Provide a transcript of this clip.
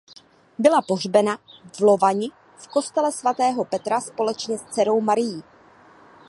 Byla pohřbena v Lovani v kostele svatého Petra společně s dcerou Marií.